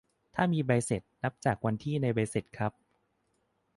ถ้ามีใบเสร็จ นับจากวันที่ในใบเสร็จครับ